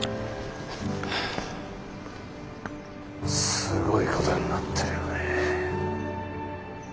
すごいことになってるよねえ。